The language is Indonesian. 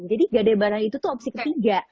jadi gadai barang itu tuh opsi ketiga